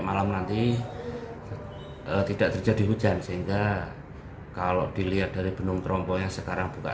malam nanti tidak terjadi hujan sehingga kalau dilihat dari benung trompo yang sekarang buka